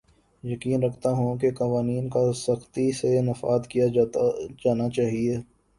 یقین رکھتا ہوں کہ قوانین کا سختی سے نفاذ کیا جانا چاھیے